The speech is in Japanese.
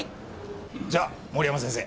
じゃあ森山先生。